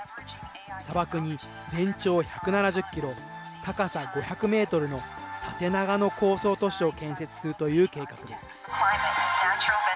砂漠に全長１７０キロ、高さ５００メートルの縦長の高層都市を建設するという計画です。